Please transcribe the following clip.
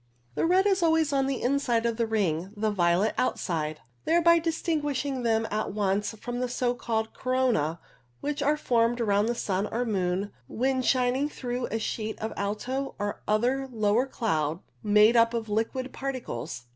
The red is always on the inside of the ring, the violet outside, thereby distinguishing them at once from the so called coronae, which are formed around the sun or moon when shining through a sheet of alto or other lower cloud made up of liquid par ticles.